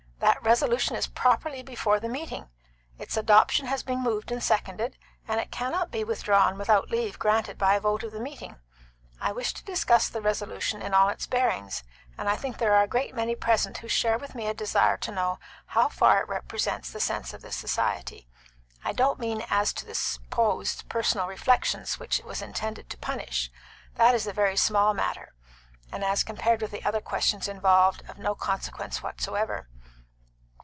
That resolution is properly before the meeting. Its adoption has been moved and seconded, and it cannot be withdrawn without leave granted by a vote of the meeting. I wish to discuss the resolution in all its bearings, and I think there are a great many present who share with me a desire to know how far it represents the sense of this society. I don't mean as to the supposed personal reflections which it was intended to punish; that is a very small matter, and as compared with the other questions involved, of no consequence whatever."